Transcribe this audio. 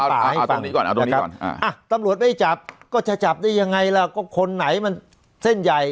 เอาตรงนี้ก่อนอ่ะตำรวจไม่จับก็จะจับได้ยังไงละก็คนไหนมันเซ้นใหญ่